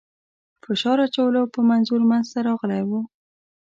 فشار اچولو په منظور منځته راغلی وو.